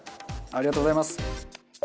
ありがとうございます。